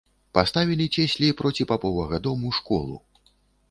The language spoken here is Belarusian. Паставілі цеслі проці паповага дому школу.